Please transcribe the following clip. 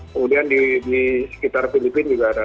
kemudian di sekitar filipina juga ada